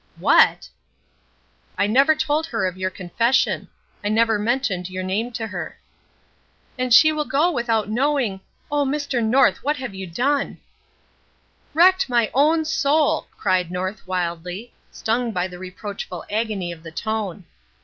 "What!" "I never told her of your confession. I never mentioned your name to her." "And she will go without knowing Oh, Mr. North, what have you done?" "Wrecked my own soul!" cried North, wildly, stung by the reproachful agony of the tone.